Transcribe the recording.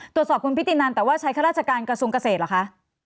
ตรวจสอบคุณพิตินันแต่ว่าใช้ข้าราชการกระทรวงเกษตรเหรอคะ